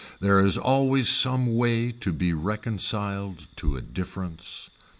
There always is some way to be reconciled to a difference.